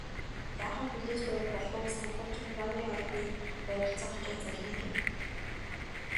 Жаахан хүлээж байвал болох уу гэснээ хуучин Пионерын ордны ойролцоо очоод залгая гэв